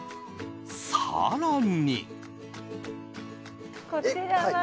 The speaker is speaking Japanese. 更に。